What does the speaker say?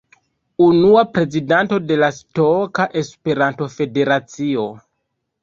Unua prezidanto de la Skota Esperanto-Federacio.